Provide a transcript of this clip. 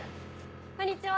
こんにちは！